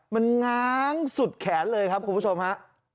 มันง้างสุดแขนเลยครับคุณผู้ชมฮะ